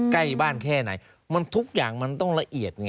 ใกล้บ้านแค่ไหนมันทุกอย่างมันต้องละเอียดไง